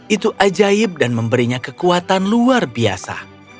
itu ajaib dan memberinya kekuatan luar biasa